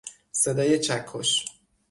صدای چکش